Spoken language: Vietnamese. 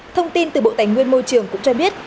thông tin từ bộ tài nguyên môi trường cũng cho biết